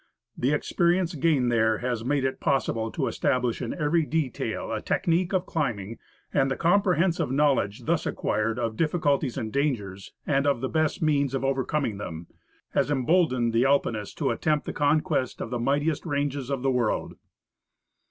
The experience gained there has made it possible to establish in every detail a technique of climbing, and the comprehensive knowledge thus acquired of diffi culties and dangers, and of the best means of overcoming them, has emboldened the Alpinist to attempt the conquest of the mightiest ranges of the world.